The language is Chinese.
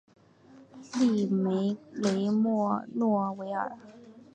利梅雷默诺维尔。